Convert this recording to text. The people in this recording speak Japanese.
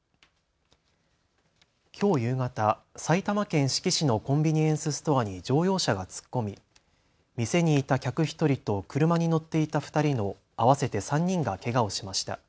きょう夕方、埼玉県志木市のコンビニエンスストアに乗用車が突っ込み店にいた客１人と車に乗っていた２人の合わせて３人がけがをしました。